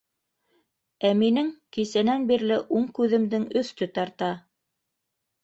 Ә минең кисәнән бирле уң күҙемдең өҫтө тарта...